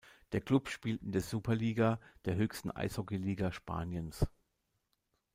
Der Klub spielt in der Superliga, der höchsten Eishockeyliga Spaniens.